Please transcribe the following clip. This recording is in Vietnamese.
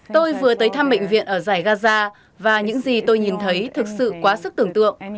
tôi vừa tới thăm bệnh viện ở giải gaza và những gì tôi nhìn thấy thực sự quá sức tưởng tượng